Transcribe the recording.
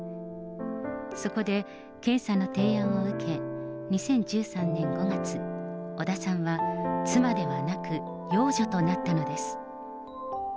そこで健さんの提案を受け、２０１３年５月、小田さんは妻ではなく、養女となったのです。